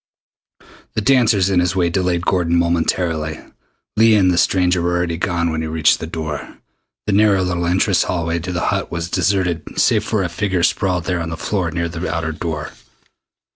The dancers in his way delayed Gordon momentarily. Leah and the stranger were already gone when he reached the door. The narrow little entrance hallway to the Hut was deserted save for a figure sprawled there on the floor near the outer door.